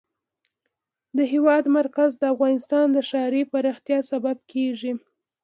د هېواد مرکز د افغانستان د ښاري پراختیا سبب کېږي.